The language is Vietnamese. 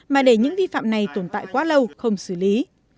mà để những vi phạm này tồn tại quá lâu không xử lý